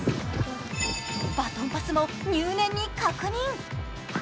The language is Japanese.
バトンパスも入念に確認。